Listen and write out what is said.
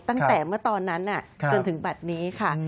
ตั้งแต่เมื่อตอนนั้นจนถึงบัตรนี้ค่ะ